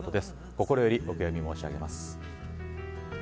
心よりお悔やみ申し上げます。